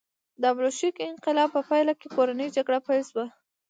د بلشویک انقلاب په پایله کې کورنۍ جګړه پیل شوه.